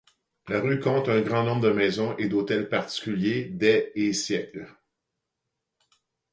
La rue compte un grand nombre de maisons et d'hôtels particuliers des et siècles.